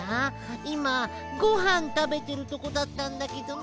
いまごはんたべてるとこだったんだけどな。